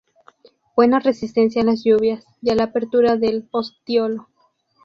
Buena resistencia a las lluvias, y a la apertura del ostiolo.